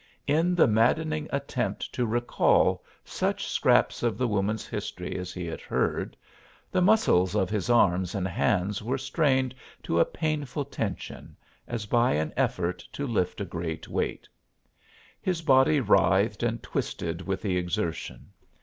In the maddening attempt to recall such scraps of the woman's history as he had heard, the muscles of his arms and hands were strained to a painful tension, as by an effort to lift a great weight. His body writhed and twisted with the exertion.